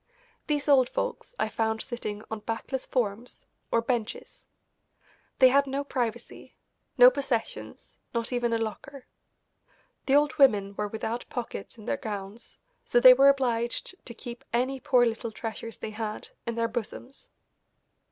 These old folks I found sitting on backless forms, or benches. They had no privacy, no possessions, not even a locker. The old women were without pockets in their gowns, so they were obliged to keep any poor little treasures they had in their bosoms.